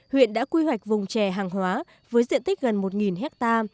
huyện đã quy hoạch vùng trè hàng hóa với diện tích gần một ha